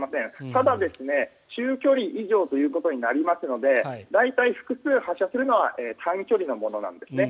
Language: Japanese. ただ、中距離以上ということになりますので大体、複数発射するのは短距離のものなんですね。